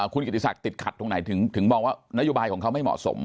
คุณกิติศักดิ์ขัดตรงไหนถึงมองว่านโยบายของเขาไม่เหมาะสม